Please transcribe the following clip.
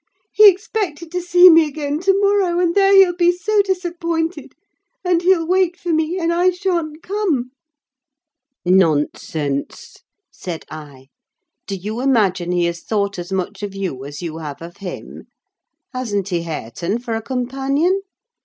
He expected to see me again to morrow, and there he'll be so disappointed: and he'll wait for me, and I sha'n't come!" "Nonsense!" said I, "do you imagine he has thought as much of you as you have of him? Hasn't he Hareton for a companion?